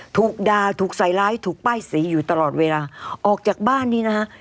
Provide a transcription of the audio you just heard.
ถูกด่าถูกใส่ร้ายถูกป้ายสีอยู่ตลอดเวลาออกจากบ้านนี้นะฮะ